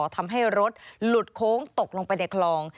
ทำให้รถหลุดโค้งตกลงไปในคลอง